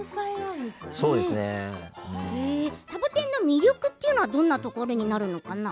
サボテンの魅力っていうのはどんなところになるのかな？